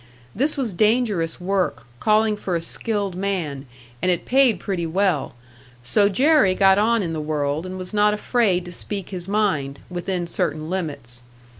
This was dangerous work, calling for a skilled man, and it paid pretty well; so Jerry got on in the world and was not afraid to speak his mind, within certain limits.